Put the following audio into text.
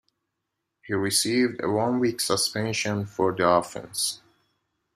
He received a one-week suspension for the offence.